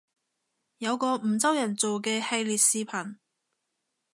有個梧州人做嘅系列視頻